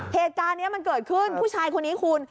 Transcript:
เหตุการณ์นี้มันเกิดขึ้นผู้ชายคนนี้คุณ